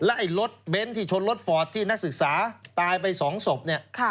ไอ้รถเบนท์ที่ชนรถฟอร์ดที่นักศึกษาตายไป๒ศพเนี่ย